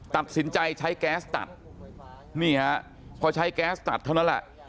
ตัดสินใจใช้แก๊สตัดนี่ฮะพอใช้แก๊สตัดเท่านั้นแหละ